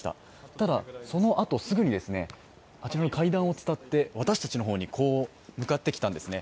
ただそのあとすぐに、あちらの階段を伝って私たちの方に、こう向かってきたんですね。